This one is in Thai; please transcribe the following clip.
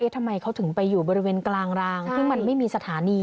ทำไมเขาถึงไปอยู่บริเวณกลางรางซึ่งมันไม่มีสถานี